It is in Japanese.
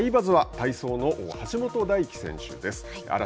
「アイバズ」は体操の橋本大輝選手です。